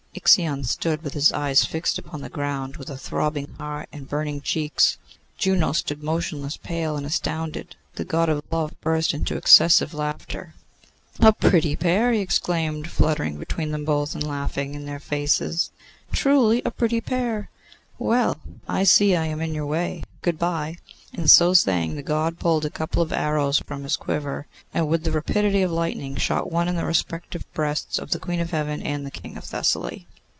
Ixion stood with his eyes fixed upon the ground, with a throbbing heart and burning cheeks. Juno stood motionless, pale, and astounded. The God of Love burst into excessive laughter. [Illustration: page28] 'A pretty pair!' he exclaimed, fluttering between both, and laughing in their faces. 'Truly a pretty pair! Well! I see I am in your way. Good bye!' And so saying, the God pulled a couple of arrows from his quiver, and with the rapidity of lightning shot one in the respective breasts of the Queen of Heaven and the King of Thessaly.